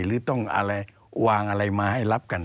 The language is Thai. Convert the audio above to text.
หรือต้องอะไรวางอะไรมาให้รับกัน